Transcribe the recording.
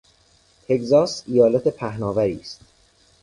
تگزاس ایالت پهناوری است.